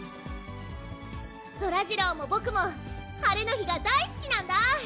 そらジローも僕も、晴れの日が大好きなんだ！